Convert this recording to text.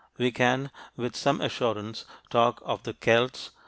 we can with some assurance talk of the Celts